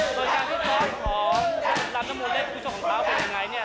ส่วนการที่พร้อมของลำน้ำมูลเล็กคุณผู้ชมของเขาเป็นยังไงเนี่ย